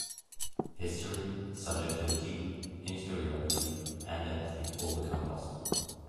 History, subjectivity, interiority, and empathy all become possible.